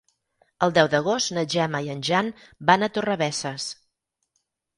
El deu d'agost na Gemma i en Jan van a Torrebesses.